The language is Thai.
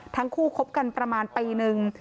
ทั้งคู่คบกันประมาณปีนึง